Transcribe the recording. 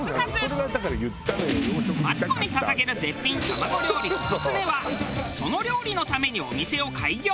マツコに捧げる絶品卵料理１つ目はその料理のためにお店を開業！